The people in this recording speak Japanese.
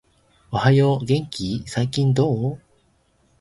おはよう、元気ー？、最近どう？？